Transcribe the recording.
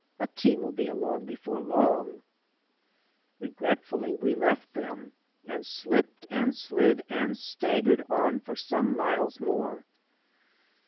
A team'U be along before longi'' Regretfully we left them and slipped and slid and staggered on for some miles more.